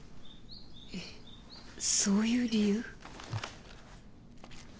えっそういう理由？